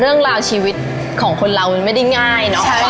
เรื่องราวชีวิตของคนเรามันไม่ได้ง่ายเนอะ